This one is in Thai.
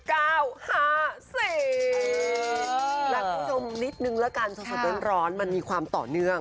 คุณผู้ชมนิดนึงละกันสดร้อนมันมีความต่อเนื่อง